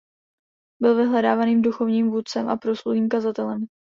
Byl vyhledávaným duchovním vůdcem a proslulým kazatelem.